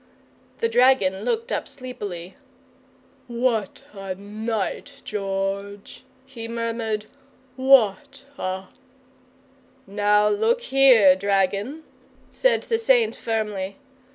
The dragon looked up sleepily. "What a night, George!" he murmured; "what a " "Now look here, dragon," said the Saint, firmly.